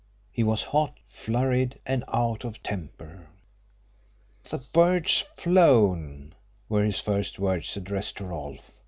He was hot, flurried, and out of temper. "The bird's flown!" were his first words, addressed to Rolfe.